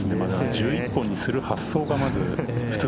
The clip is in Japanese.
１１本にする発想が普通